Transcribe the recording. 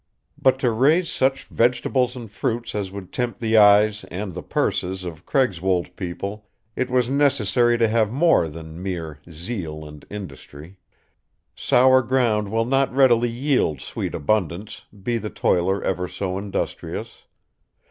But to raise such vegetables and fruits as would tempt the eyes and the purses of Craigswold people it was necessary to have more than mere zeal and industry. Sour ground will not readily yield sweet abundance, be the toiler ever so industrious.